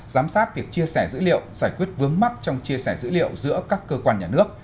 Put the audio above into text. giám sát việc chia sẻ dữ liệu giải quyết vướng mắc trong chia sẻ dữ liệu giữa các cơ quan nhà nước